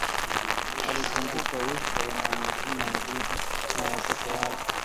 Alikumbuka uso na majina ya bibi na watoto wake